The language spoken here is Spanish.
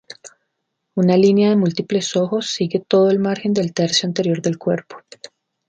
Una línea de múltiples ojos sigue todo el margen del tercio anterior del cuerpo.